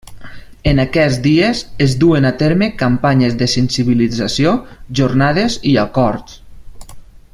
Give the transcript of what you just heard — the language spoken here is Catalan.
En aquests dies es duen a terme campanyes de sensibilització, jornades i acords.